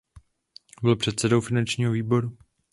Byl předsedou finančního výboru.